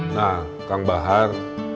nah kang bahar